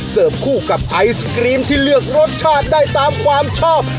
คู่กับไอศกรีมที่เลือกรสชาติได้ตามความชอบ